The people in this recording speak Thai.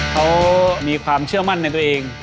เขามีความเชื่อมั่นในตัวเอง